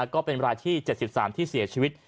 ก็เป็นรายที่๗๓ที่เสียชีวิต